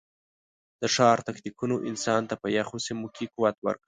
د ښکار تکتیکونو انسان ته په یخو سیمو کې قوت ورکړ.